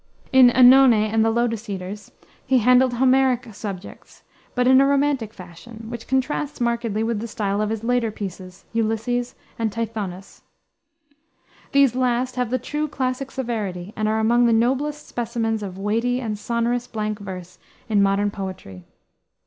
In Oenone and the Lotus Eaters, he handled Homeric subjects, but in a romantic fashion, which contrasts markedly with the style of his later pieces, Ulysses and Tithonus. These last have the true classic severity, and are among the noblest specimens of weighty and sonorous blank verse in modern poetry.